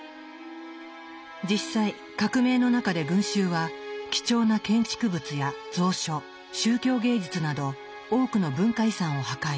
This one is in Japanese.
実際革命の中で群衆は貴重な建築物や蔵書宗教芸術など多くの文化遺産を破壊。